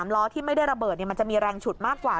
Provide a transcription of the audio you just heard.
ล้อที่ไม่ได้ระเบิดมันจะมีแรงฉุดมากกว่า